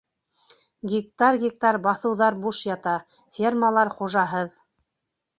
Гектар-гектар баҫыуҙар буш ята, фермалар хужаһыҙ.